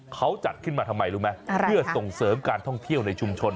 เขาจัดขึ้นมาทำไมรู้ไหมเพื่อส่งเสริมการท่องเที่ยวในชุมชน